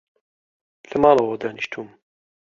لە ماڵەوە دانیشتووم